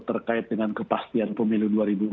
terkait dengan kepastian pemilu dua ribu dua puluh